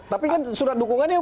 tapi kan surat dukungannya